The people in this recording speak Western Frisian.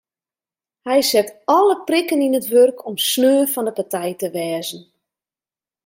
Hy set alle prikken yn it wurk om sneon fan de partij te wêze.